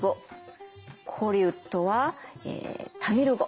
コリウッドはタミル語。